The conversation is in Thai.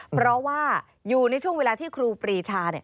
เพราะว่าอยู่ในช่วงเวลาที่ครูปรีชา